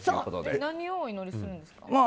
何をお祈りするんですか？